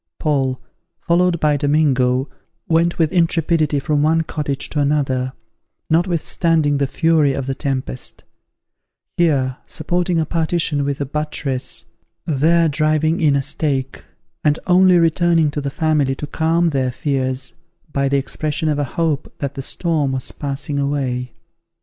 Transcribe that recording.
Paul, followed by Domingo, went with intrepidity from one cottage to another, notwithstanding the fury of the tempest; here supporting a partition with a buttress, there driving in a stake; and only returning to the family to calm their fears, by the expression of a hope that the storm was passing away.